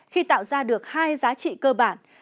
khi tạo ra được hai giá trị cơ bản